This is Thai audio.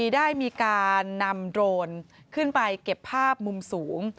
ได้มีการนำโดรนขึ้นไปเก็บภาพมุมสูง